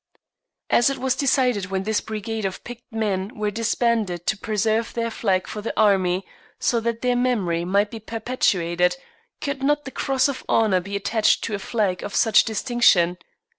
As it was decided when this Brigade of picked men were disbanded to preserve their flag for the Army so that their memory might be perpetuated, could not the Cross of Honour be attached to a flag of such distinction?